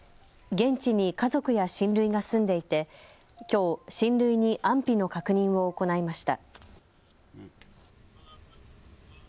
現地に家族や親類が住んでいてきょう親類に安否の確認を行いました。